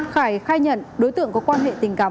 khải khai nhận đối tượng có quan hệ tình cảm